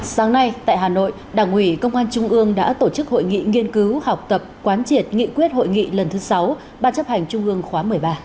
sáng nay tại hà nội đảng ủy công an trung ương đã tổ chức hội nghị nghiên cứu học tập quán triệt nghị quyết hội nghị lần thứ sáu ban chấp hành trung ương khóa một mươi ba